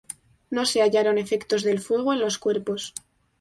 No se hallaron efectos del fuego en los cuerpos.